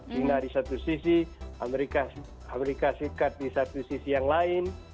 china di satu sisi amerika serikat di satu sisi yang lain